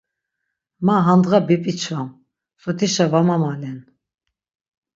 Ma handǧa bipiçvam sotişa va mamalen.